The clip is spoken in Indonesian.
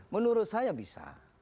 menurut saya bisa